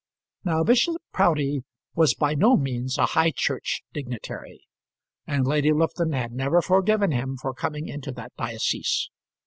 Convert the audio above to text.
Now Bishop Proudie was by no means a High Church dignitary, and Lady Lufton had never forgiven him for coming into that diocese.